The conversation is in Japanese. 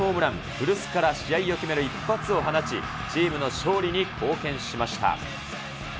古巣から試合を決める一発を放ち、チームの勝利に貢献しました。